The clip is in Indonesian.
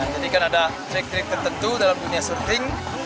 jadi kan ada trik trik tertentu dalam dunia surfing